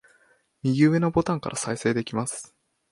右上のボタンから再生できます